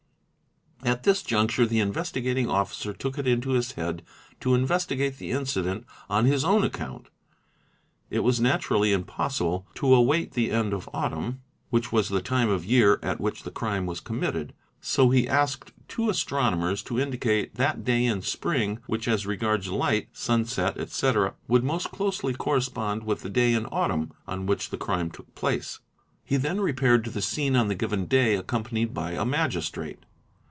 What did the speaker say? At this juncture the Investigating Officer took it into his head to investigate the incident on his own account. It was naturally impossible to await the end of the autumn, which was the time of year at which the crime was committed, so he asked two astronomers to indicate that day in spring which as regards light, sunset, etc., would most closely correspond with the day in autumn on which the crime took place: he then repaired to the scene on the given day accompanied by a magistrate.